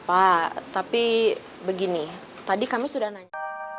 pak tapi begini tadi kami sudah nanya